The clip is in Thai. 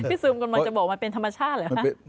พี่ซูมก่อนมาจะบอกว่ามันเป็นธรรมชาติเลยหรือเปล่า